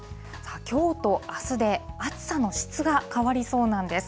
きょうとあすで暑さの質が変わりそうなんです。